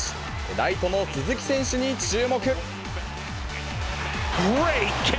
ライトの鈴木選手に注目。